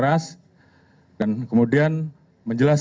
saya akan membaca hal ini